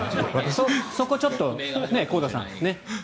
そこちょっと、香田さん。